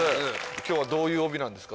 今日はどういう帯なんですか？